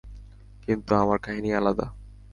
কিন্তু আমার কাহিনি আলাদা।